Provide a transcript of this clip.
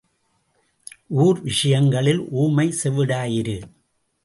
ஊர் விஷயங்களில் ஊமை செவிடாய் இரு.